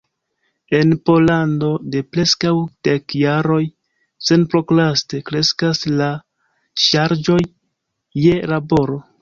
En Pollando de preskaŭ dek jaroj senprokraste kreskas la ŝarĝoj je laboro.